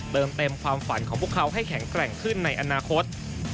เติมเต็มความฝันของพวกเขาให้แข็งแกร่งขึ้นในอนาคต